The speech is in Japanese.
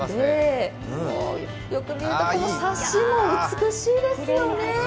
よく見ると、このサシも美しいですよね。